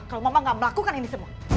kalau mama gak melakukan ini semua